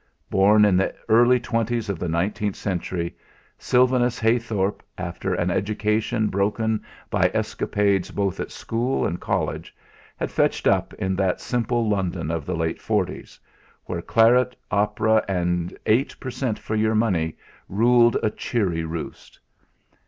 Born in the early twenties of the nineteenth century, Sylvanus Heythorp, after an education broken by escapades both at school and college, had fetched up in that simple London of the late forties, where claret, opera, and eight per cent. for your money ruled a cheery roost.